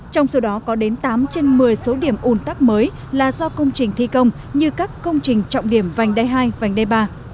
trong số đó có đến tám trên một mươi số điểm ùn tắc mới là do công trình thi công như các công trình trọng điểm vành đai hai vành đai ba